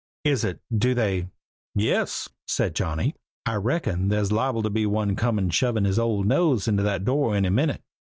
"Is it? Do they?" "Yes," said Johnny. "I reckin there's liable to be one come shovin' his old nose into that door any minute.